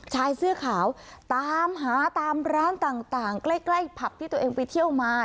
ชายเสื้อขาวตามหาตามร้านต่างใกล้ผับที่ตัวเองไปเที่ยวมา